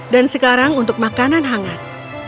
dan sekarang untuk makanan hangat